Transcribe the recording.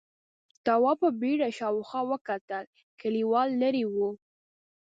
تواب په بيړه شاوخوا وکتل، کليوال ليرې و: